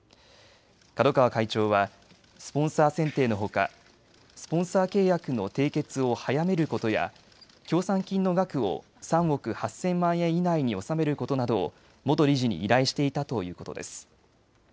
角川会長はスポンサー選定のほかスポンサー契約の締結を早めることや協賛金の額を３億８０００万円以内に収めることなどを元理事に依頼していたということです。